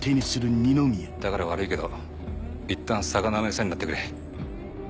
だから悪いけどいったん魚の餌になってくれ。